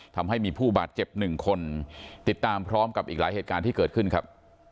ทำให้มีผู้บาดเจ็บหนึ่งคนติดตามพร้อมกับอีกหลายเหตุการณ์ที่เกิดขึ้นครับ